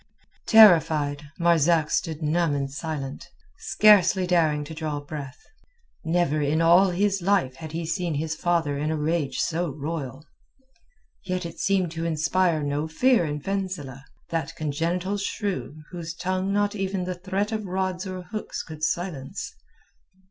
Terrified, Marzak stood numb and silent, scarcely daring to draw breath. Never in all his life had he seen his father in a rage so royal. Yet it seemed to inspire no fear in Fenzileh, that congenital shrew whose tongue not even the threat of rods or hooks could silence.